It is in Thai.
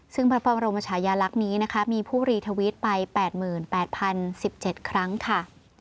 ซึ่งพระบรมชายาลักษณ์นี้นะคะมีผู้รีทวิตไป๘๘๐๑๗ครั้งค่ะ